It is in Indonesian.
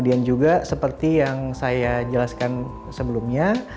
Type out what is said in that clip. dan juga seperti yang saya jelaskan sebelumnya